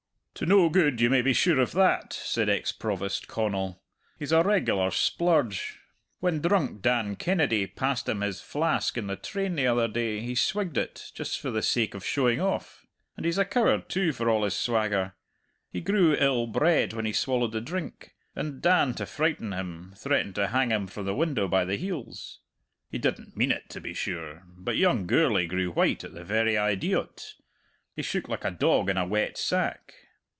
"To no good you may be sure of that," said ex Provost Connal. "He's a regular splurge! When Drunk Dan Kennedy passed him his flask in the train the other day he swigged it, just for the sake of showing off. And he's a coward, too, for all his swagger. He grew ill bred when he swallowed the drink, and Dan, to frighten him, threatened to hang him from the window by the heels. He didn't mean it, to be sure; but young Gourlay grew white at the very idea o't he shook like a dog in a wet sack.